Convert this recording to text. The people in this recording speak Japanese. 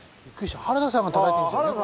原田さんがたたいてんですよね。